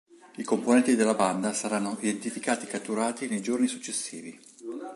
I componenti della banda saranno identificati e catturati nei giorni successivi.